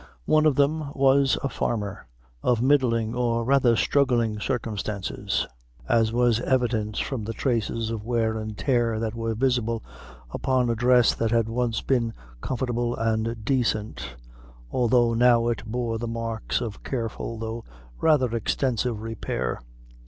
One of them was a farmer, of middling, or rather of struggling, circumstances, as was evident from the traces of wear and tear that were visible upon a dress that had once been comfortable and decent, although now it bore the marks of careful, though rather extensive repair.